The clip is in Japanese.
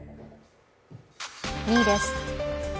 ２位です。